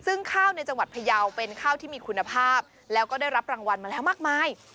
ซึ่งข้าวในจังหวัดพยาวเป็นข้าวที่มีคุณภาพแล้วก็ได้รับรางวัลมาแล้วมากมาย